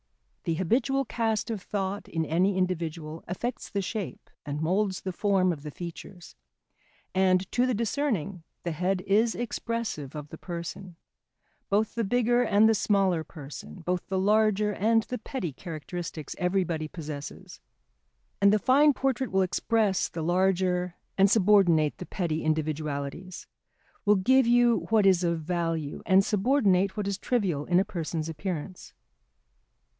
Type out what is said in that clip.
The habitual cast of thought in any individual affects the shape and moulds the form of the features, and, to the discerning, the head is expressive of the person; both the bigger and the smaller person, both the larger and the petty characteristics everybody possesses. And the fine portrait will express the larger and subordinate the petty individualities, will give you what is of value, and subordinate what is trivial in a person's appearance.